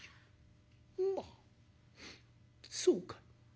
「まあそうかい。